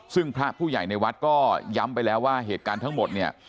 ซึ่งพระผู้ใหญ่ในวัดก็ย้ำไปแล้วว่าเหตุการณ์ทั้งหมดเนี่ย